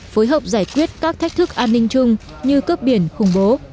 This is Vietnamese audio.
phối hợp giải quyết các thách thức an ninh chung như cướp biển khủng bố